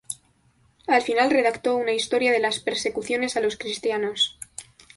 Al final redactó una "Historia de las persecuciones" a los cristianos.